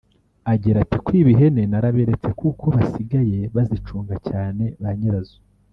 Agira ati “kwiba ihene narabiretse kuko basigaye bazicunga cyane banyirazo